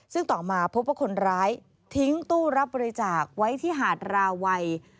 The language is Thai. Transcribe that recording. ซึ่งต่อมาพบว่าคนร้ายทิ้งตู้รับบริจาคไว้ที่หาดราวัย